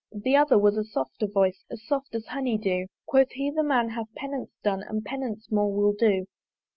The other was a softer voice, As soft as honey dew: Quoth he the man hath penance done, And penance more will do.